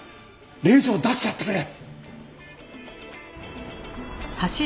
令状を出してやってくれ！